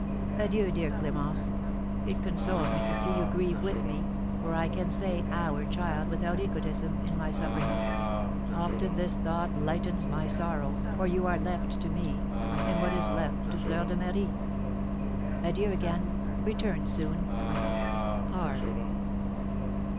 '" Adieu, dear Clémence! It consoles me to see you grieve with me, for I can say 'our' child without egotism in my sufferings. Often this thought lightens my sorrow, for you are left to me, and what is left to Fleur de Marie? Adieu again; return soon. R.